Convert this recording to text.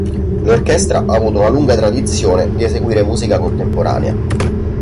L'orchestra ha avuto una lunga tradizione di eseguire musica contemporanea.